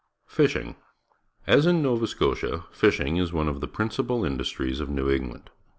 Fishing. — As in Nova Scotia, fishing is one of the principal industries of New England.